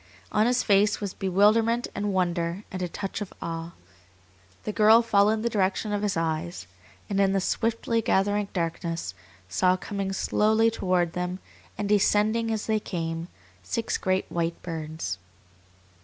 On his face was bewilderment and wonder and a touch of awe. The girl followed the direction of his eyes, and in the swiftly gathering darkness saw coming slowly toward them, and descending as they came, six great white birds.